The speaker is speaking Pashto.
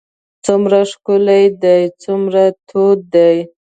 څومره ښکلی دی څومره تود دی.